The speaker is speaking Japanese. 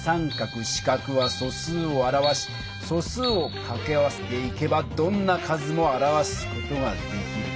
□は素数を表し素数をかけ合わせていけばどんな数も表す事ができる。